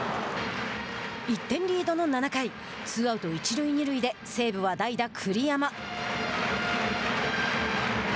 １点リードの７回ツーアウト一塁二塁で西武は代打栗山。